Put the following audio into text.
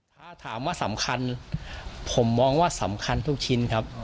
ถ้าถามว่าสำคัญผมมองว่าสำคัญทุกชิ้นครับ